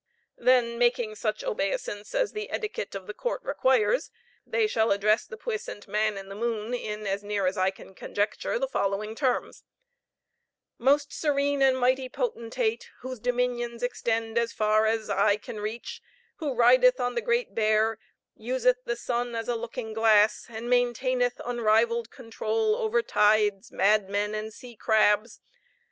Then making such obeisance as the etiquette of the court requires, they shall address the puissant Man in the Moon in, as near as I can conjecture, the following terms: "Most serene and mighty Potentate, whose dominions extend as far as eye can reach, who rideth on the Great Bear, useth the sun as a looking glass, and maintaineth unrivaled control over tides, madmen, and sea crabs.